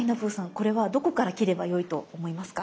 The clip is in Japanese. これはどこから切ればよいと思いますか？